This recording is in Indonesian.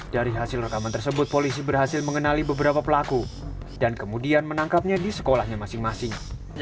dari hasil rekaman tersebut polisi berhasil mengenali beberapa pelaku dan kemudian menangkapnya di sekolahnya masing masing